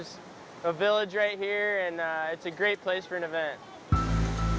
ini adalah sebuah kota di sini dan ini adalah tempat yang bagus untuk acara